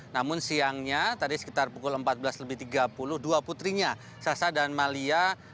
namun siangnya tadi sekitar pukul empat belas lebih tiga puluh dua putrinya sasa dan malia